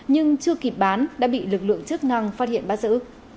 nhưng chưa kịp bán đã bị lực lượng chức năng phát hiện bắt giữ